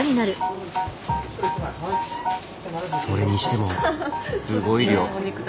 それにしてもすごい量。